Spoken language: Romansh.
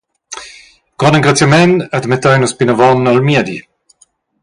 Grond engraziament admettein nus plinavon al miedi.